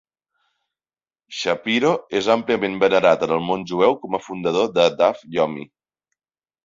Shapiro és àmpliament venerat en el món jueu com a fundador de Daf Yomi.